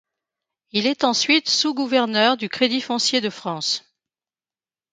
Il est ensuite Sous-gouverneur du Crédit foncier de France.